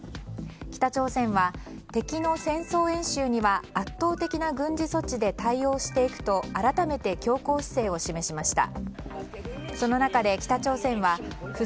北朝鮮は敵の戦争演習には圧倒的な軍事措置で対応していくと改めて強硬姿勢を示しました。